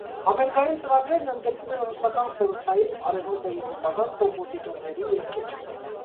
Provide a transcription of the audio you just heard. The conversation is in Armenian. Համերգային ծրագրերն ընդգրկում են ռուսական խորհրդային, արևմտաեվրոպական կոմպոզիտորների երկեր։